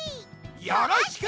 よろしく！